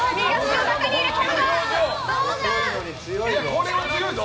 これは強いぞ！